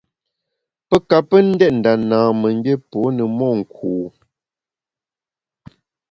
Pe ka pe ndét nda nâmemgbié pô ne monku.